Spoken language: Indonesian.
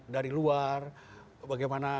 dari luar bagaimana